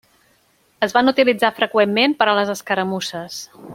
Es van utilitzar freqüentment per a les escaramusses.